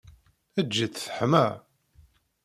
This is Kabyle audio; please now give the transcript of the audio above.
Ddj-it teḥma.